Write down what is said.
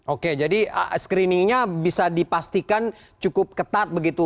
oke jadi screeningnya bisa dipastikan cukup ketat begitu